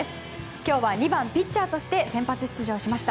今日は２番ピッチャーとして先発出場しました。